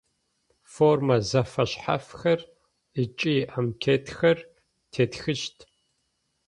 Формэ зэфэшъхьафхэр ыкӏи анкетхэр тетхыщт.